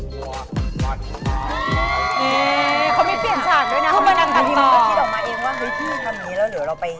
ก็คิดออกมาเองว่าที่ทำนี้